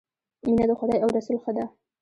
مینه د خدای او رسول ښه ده